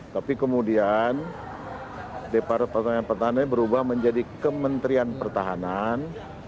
tapi kemudian departemen pertahanan ini berubah menjadi kementerian pertahanan